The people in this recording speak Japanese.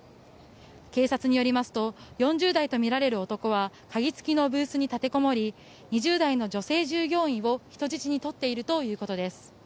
警察によりますと４０代とみられる男は鍵付きのブースに立てこもり２０代の女性従業員を人質に取っているということです。